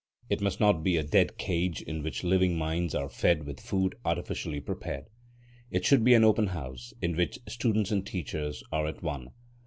It must not be a dead cage in which living minds are fed with food artificially prepared. It should be an open house, in which students and teachers are at one.